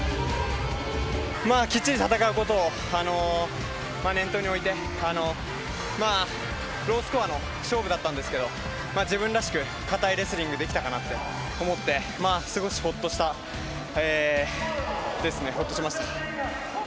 きっちり戦うことを念頭に置いて、まあ、ロースコアの勝負だったんですけど、自分らしく堅いレスリングできたかなって思って、少しほっとしたですね、ほっとしました。